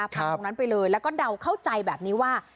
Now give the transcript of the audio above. ผ่านตรงนั้นไปเลยแล้วก็เดาเข้าใจแบบนี้ว่า